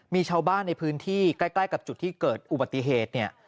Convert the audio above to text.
มีชาวบ้านในพื้นที่ใกล้กับจุดที่เกิดอุบัติเหตุเนี่ย